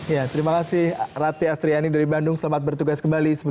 ya terima kasih rati astriani dari bandung selamat bertugas kembali